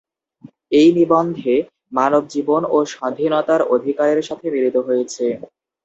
এই নিবন্ধে মানব জীবন ও স্বাধীনতার অধিকারের সাথে মিলিত হয়েছে।